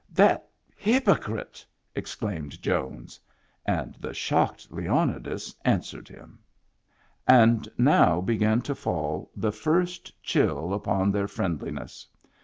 "That hypercrite!" exclaimed Jones. And the shocked Leonidas answered him. And now began to fall the first chill upon their friendliness.